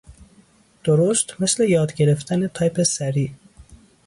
درست مثل یاد گرفتن تایپ سریع.